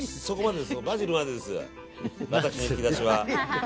バジルまでです、私の引き出しは。